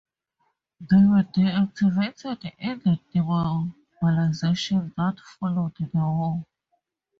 They were deactivated in the demobilization that followed the war.